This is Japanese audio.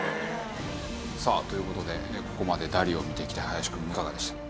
さあという事でここまでダリを見てきて林くんいかがでした？